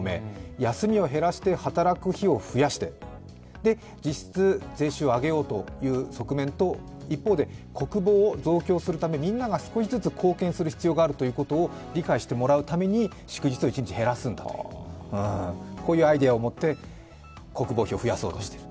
休みを減らして働く日を増やして、実質税収を上げようという側面と一方で、国防を増強するためみんなが少しずつ貢献する必要があるということを理解してもらうために祝日を１日減らすんだとこういうアイデアをもって国防費を増やそうとしている。